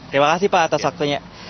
terima kasih pak atas waktunya